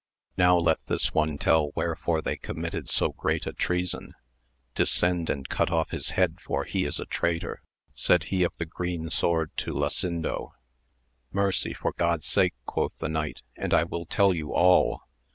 Now let this one tell wherefore they com mitted so great a treason. Descend and cut off his head for he is a traitor, said he of the green sword to Lasindo. Mercy for God's sake, quoth the knight, and I will tell you all